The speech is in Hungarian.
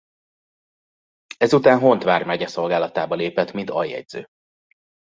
Ezután Hont vármegye szolgálatába lépett mint aljegyző.